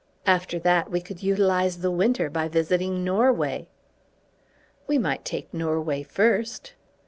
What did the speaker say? After that we could utilise the winter by visiting Norway." "We might take Norway first."